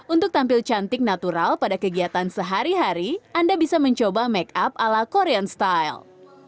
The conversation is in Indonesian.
untuk tampil cantik natural pada kegiatan sehari hari anda bisa mencoba make up ala korean style